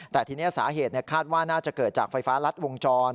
แต่ทีนี้สาเหตุคาดว่าน่าจะเกิดจากไฟฟ้ารัดวงจร